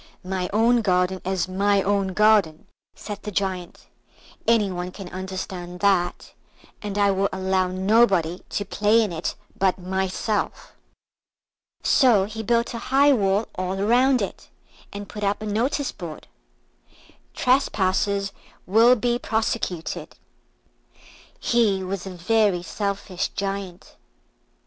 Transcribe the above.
"My own garden is my own garden," said the Giant; "any one can understand that, and I will allow nobody to play in it but myself." So he built a high wall all round it, and put up a notice board. TRESPASSERS WILL BE PROSECUTED He was a very selfish Giant.